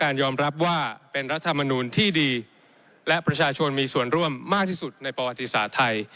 ยอมรับว่าเป็นรัฐมนูลที่ดีและประชาชนมีส่วนร่วมมากที่สุดในประวัติศาสตร์ไทย